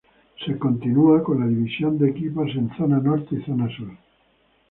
Se continúa con la división de equipos en Zona Norte y Zona Sur.